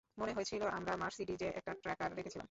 মনে হয়েছিলো আমরা মার্সিডিজে একটা ট্র্যাকার রেখেছিলাম।